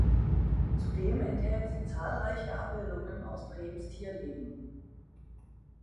Zudem enthält sie zahlreiche Abbildungen aus Brehms Tierleben.